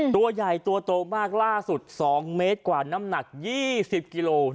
ตัวใหญ่ตัวโตมากล่าสุด๒เมตรกว่าน้ำหนัก๒๐กิโล